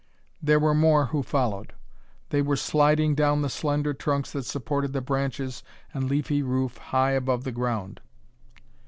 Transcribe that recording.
There were more who followed. They were sliding down the slender trunks that supported the branches and leafy roof high above the ground.